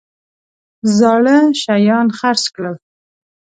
زاړه شیان خرڅ کړل.